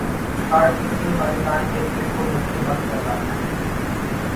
spot fixing Pakistan cricket کو مشکل وقت کا سامنا ہے